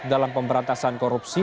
dalam pemberantasan korupsi